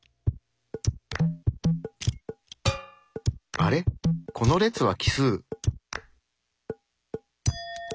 あれこの列は奇数。